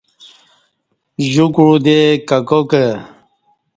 ـجکوع دے ککاکہ